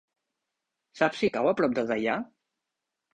Saps si cau a prop de Deià?